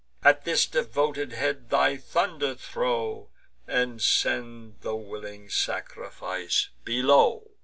At this devoted head thy thunder throw, And send the willing sacrifice below!"